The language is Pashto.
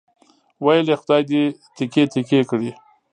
ویل یې خدای دې تیکې تیکې کړي.